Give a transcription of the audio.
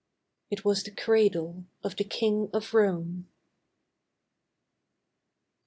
It was the cradle of the King of Rome.